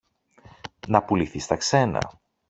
να πουληθεί στα ξένα.